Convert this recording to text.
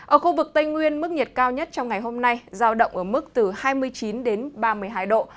ở khu vực tây nguyên mức nhiệt cao nhất trong ngày hôm nay giao động ở mức từ hai mươi chín đến ba mươi hai độ